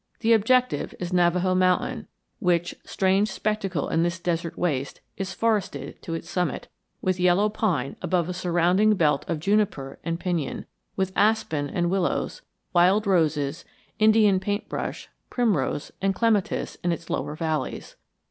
The objective is Navajo Mountain, which, strange spectacle in this desert waste, is forested to its summit with yellow pine above a surrounding belt of juniper and pinyon, with aspen and willows, wild roses, Indian paint brush, primrose, and clematis in its lower valleys.